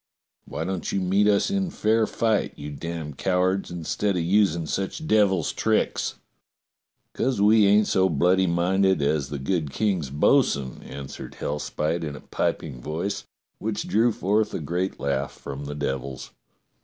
Why don't you meet us in fair fight, you damned cow ards, instead of using such devil's tricks .f^" " 'Cos we ain't so bloody minded as the good King's bo'sun," answered Hellspite in a piping voice, which drew forth a great laugh from the devils.